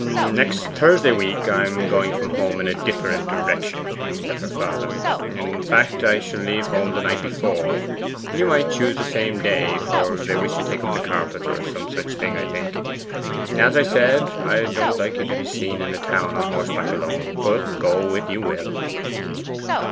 'Next Thursday week I am going from home in a different direction,' said her father. 'In fact, I shall leave home the night before. You might choose the same day, for they wish to take up the carpets, or some such thing, I think. As I said, I don't like you to be seen in a town on horseback alone; but go if you will.